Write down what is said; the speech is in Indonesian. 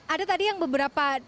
ada tadi yang beberapa